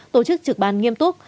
tổ chức trực ban nghiêm túc